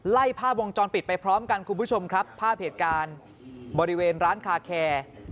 ไล่ภาพวงจรปิดไปพร้อมกันคุณผู้ชมครับภาพเหตุการณ์บริเวณร้านคาแคร์